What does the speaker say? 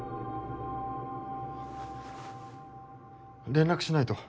連絡しないと。